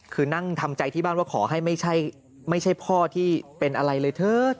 คือนั่งทำใจที่บ้านว่าขอให้ไม่ใช่พ่อที่เป็นอะไรเลยเถิด